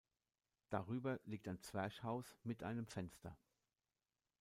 Darüber liegt ein Zwerchhaus mit einem Fenster.